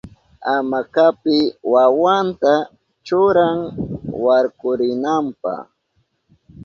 Hamakapi wawanta churan warkurinanpa.